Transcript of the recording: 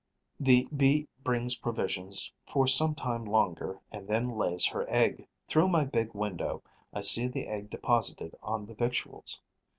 The Bee brings provisions for some time longer and then lays her egg. Through my big window, I see the egg deposited on the victuals.